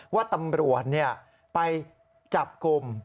ว่าตำรวจไปจับกลุ่ม